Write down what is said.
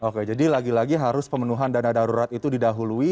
oke jadi lagi lagi harus pemenuhan dana darurat itu didahului